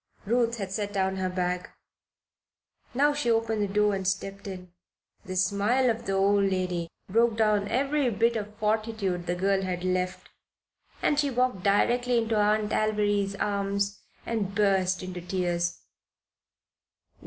Ruth had set down her bag. Now she opened the door and stepped in. The smile of the old lady broke down every bit of fortitude the girl had left and she walked directly into Aunt Alviry's arms and burst into tears.